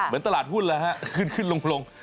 หุ้นแล้วฮะขึ้นลง